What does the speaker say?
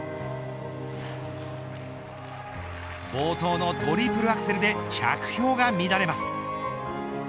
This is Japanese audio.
冒頭のトリプルアクセルで着氷が乱れます。